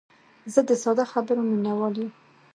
زه د ساده خبرو مینوال یم.